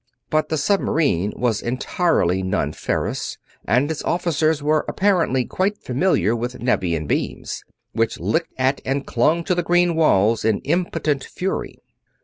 But the submarine was entirely non ferrous, and its officers were apparently quite familiar with Nevian beams which licked at and clung to the green walls in impotent fury.